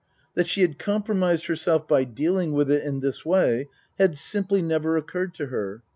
That she had compromised herself by dealing with it in this way had simply never occurred to her.